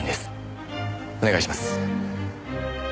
お願いします。